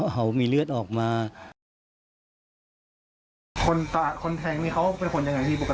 เหมือนกันเนี่ย